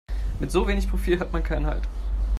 Mit so wenig Profil hat man keinen Halt.